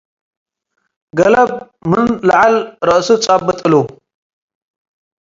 ገለብ ምን ለዐል ረአሱ ጸብጥ እሉ ።